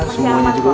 semuanya juga udah